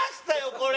これ。